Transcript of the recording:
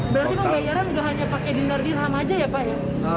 berarti pembayaran nggak hanya pakai dinar dirham aja ya pak ya